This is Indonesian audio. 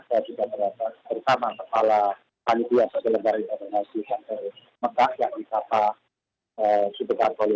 saya juga berada bersama kepala panitia seselebar indonesia di makkah yang dikata sudah berkali